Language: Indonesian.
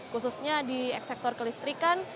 khususnya di eksektor kelistrikan